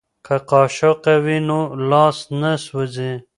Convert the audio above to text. که قاشقه وي نو لاس نه سوځي.